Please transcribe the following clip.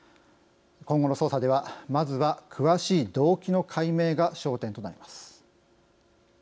今後の捜査ではまずは詳しい動機の解明が焦点となります。